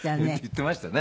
言っていましたね。